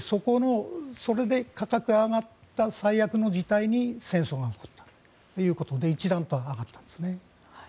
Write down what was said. それで高く上がった最悪の事態に戦争が起こったということで一段と上がったんです。